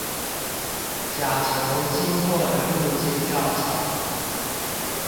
甲球經過的路徑較長